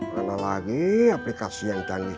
mana lagi aplikasi yang canggih